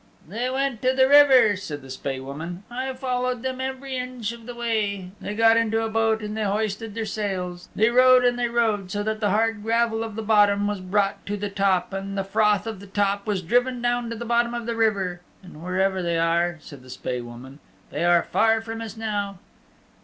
"They went to the river," said the Spae Woman. "I followed them every inch of the way. They got into a boat and they hoisted their sails. They rowed and they rowed, so that the hard gravel of the bottom was brought to the top, and the froth of the top was driven down to the bottom of the river. And wherever they are," said the Spae Woman, "they are far from us now."